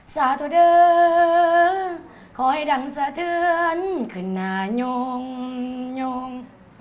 สาธุเดอร์ขอให้ดังสะเทือนขึ้นหน้าโง่งโง่ง